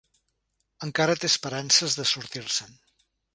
Encara té esperances de sortir-se'n.